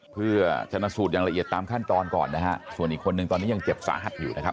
เพื่อชนะสูตรอย่างละเอียดตามขั้นตอนก่อนนะฮะส่วนอีกคนนึงตอนนี้ยังเจ็บสาหัสอยู่นะครับ